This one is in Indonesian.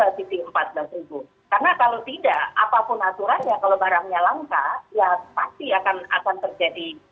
karena kalau tidak apapun aturan ya kalau barangnya langka ya pasti akan terjadi kelangkaan ya